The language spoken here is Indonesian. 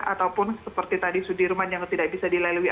ataupun seperti tadi sudirman yang tidak bisa dilalui